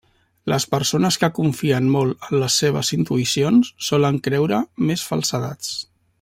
Les persones que confien molt en les seues intuïcions solen creure més falsedats.